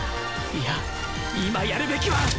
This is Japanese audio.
いや今やるべきは！